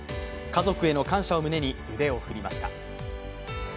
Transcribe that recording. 家族への感謝を胸に腕を振りました。